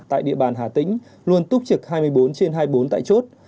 tại địa bàn hà tĩnh luôn túc trực hai mươi bốn trên hai mươi bốn tại chốt